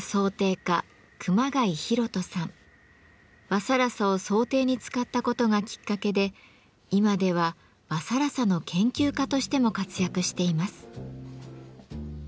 和更紗を装丁に使ったことがきっかけで今では和更紗の研究家としても活躍しています。